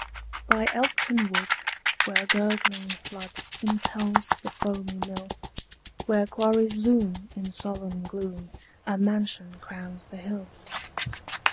By Elkton wood, where gurgling flood Impels the foamy mill, Where quarries loom, in solemn gloom, A mansion crowns the hill.